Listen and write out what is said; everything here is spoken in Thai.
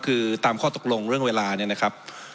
คือตามข้อตกลงเรื่องเวลาเนี่ยนะครับ